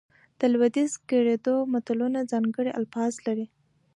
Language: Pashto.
د لودیز ګړدود متلونه ځانګړي الفاظ لري